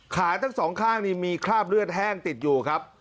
ขาทั้งสองข้างนี่มีคราบเลือดแห้งติดอยู่ครับ